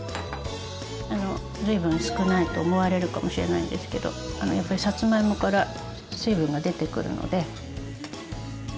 随分少ないと思われるかもしれないんですけどやっぱりさつまいもから水分が出てくるので。